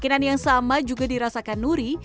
keinginan yang sama juga dirasakan nuri